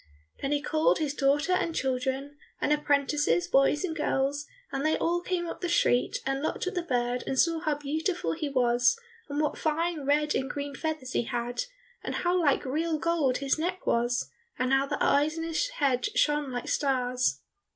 Then he called his daughter and children, and apprentices, boys and girls, and they all came up the street and looked at the bird and saw how beautiful he was, and what fine red and green feathers he had, and how like real gold his neck was, and how the eyes in his head shone like stars.